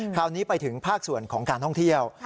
คราวนี้ไปถึงภาคส่วนของการท่องเที่ยว